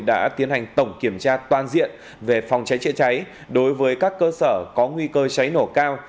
đã tiến hành tổng kiểm tra toàn diện về phòng cháy chữa cháy đối với các cơ sở có nguy cơ cháy nổ cao